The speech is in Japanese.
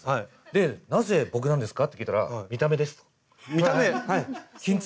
で「なぜ僕なんですか？」って聞いたら見た目？